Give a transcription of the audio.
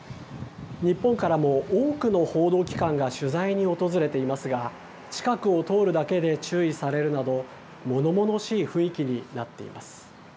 日本からも多くの報道機関が取材に訪れていますが、近くを通るだけで注意されるなど、ものものしい雰囲気になっています。